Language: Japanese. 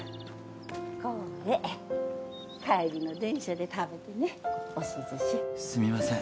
これ帰りの電車で食べてね押し寿司すみません